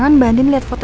terima kasih sudah nonton